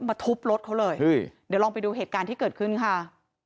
ทุบรถเขาเลยเดี๋ยวลองไปดูเหตุการณ์ที่เกิดขึ้นค่ะ